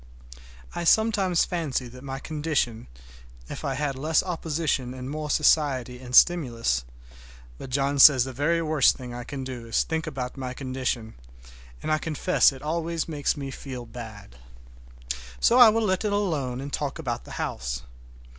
I sometimes fancy that in my condition if I had less opposition and more society and stimulus—but John says the very worst thing I can do is to think about my condition, and I confess it always makes me feel bad. So I will let it alone and talk about the house.